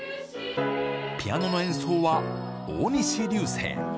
ピアノの演奏は大西流星。